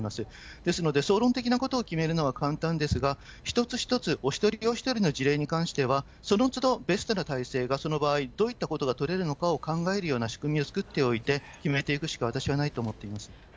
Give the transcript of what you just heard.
ですので総論的なことを決めるのは簡単ですが、一つ一つ、お一人お一人の事例に関しては、そのつど、ベストな態勢がその場合、どういったことが取れるのかを考えるような仕組みを作っておいて、決めていくしか私はないと思っています。